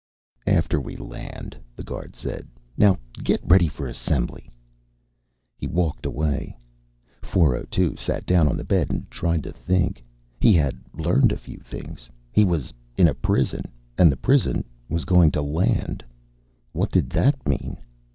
"After we land," the guard said. "Now get ready for assembly." He walked away. 402 sat down on the bed and tried to think. He had learned a few things. He was in a prison, and the prison was going to land. What did that mean?